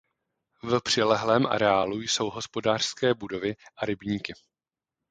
V přilehlém areálu jsou hospodářské budovy a rybníky.